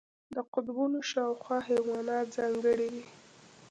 د قطبونو شاوخوا حیوانات ځانګړي دي.